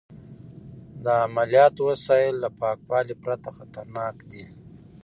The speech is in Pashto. د عملیاتو وسایل له پاکوالي پرته خطرناک دي.